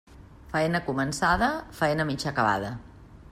Faena començada, faena mig acabada.